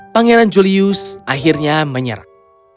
pangeran julius akhirnya menyerang